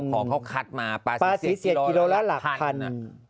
ของเขาคัดมาปลา๔๗พิโรห์ละหลักพัน